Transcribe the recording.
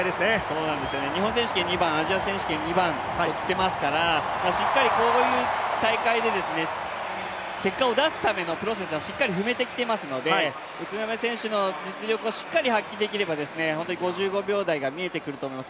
そうなんですよね、日本選手権２番、アジア選手権２番ときてますからしっかりこういう大会で結果を出すためのプロセスはしっかり踏めてきていますので、宇都宮選手の実力がしっかり発揮できれば５５秒台が見えてくると思います。